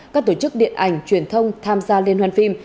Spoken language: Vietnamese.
các tổ chức điện ảnh truyền thông tham gia liên hoàn phim